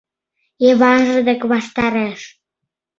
Йыванже дек ваштареш.